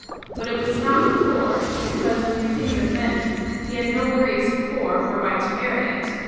But it was not before; because, in the opinion of many, he had no grace before whereby to merit it.